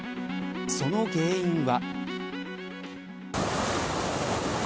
その原因は。